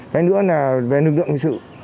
cái nữa là về lực lượng hình sự